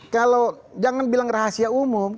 kalau jangan bilang rahasia umum